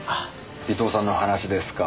尾藤さんの話ですか？